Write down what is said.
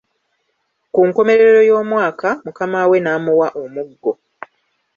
Ku nkomerero y'omwaka mukama we n'amuwa omuggo.